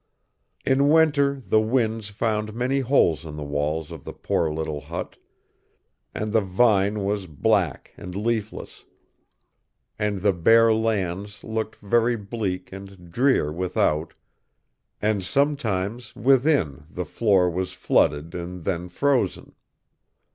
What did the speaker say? In winter the winds found many holes in the walls of the poor little hut, and the vine was black and leafless, and the bare lands looked very bleak and drear without, and sometimes within the floor was flooded and then frozen.